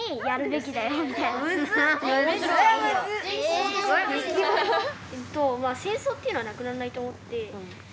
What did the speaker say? えとまあ戦争っていうのはなくなんないと思って。